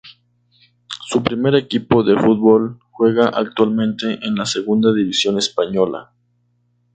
Su primer equipo de fútbol juega actualmente en la Segunda División española.